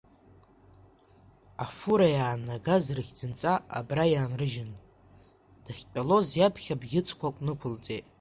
Афура иаанагаз рыхьӡынҵа абра иаанрыжьын, дахьтәалоз иаԥхьа бӷьыцқәак нықәылҵеит.